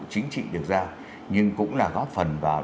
chính trị được giao nhưng cũng là góp phần vào